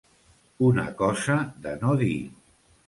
Una cosa de no dir.